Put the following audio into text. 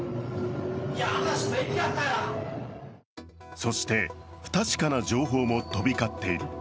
そして、不確かな情報も飛び交っている。